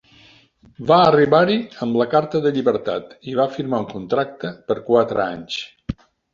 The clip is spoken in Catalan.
Va arribar-hi amb la carta de llibertat i va firmar un contracte per quatre anys.